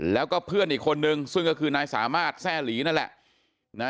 แล้วก็เพื่อนอีกคนนึงซึ่งก็คือนายสามารถแซ่หลีนั่นแหละ